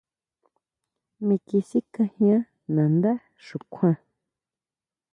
Miki sikajian nandá xukjuan.